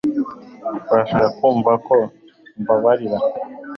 Urashaka ko mvuga ko mbabarira